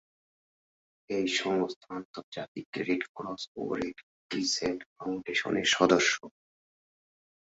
এই সংস্থা আন্তর্জাতিক রেড ক্রস ও রেড ক্রিসেন্ট ফেডারেশনের সদস্য।